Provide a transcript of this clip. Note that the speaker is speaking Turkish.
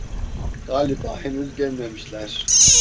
Galiba henüz gelmemişler!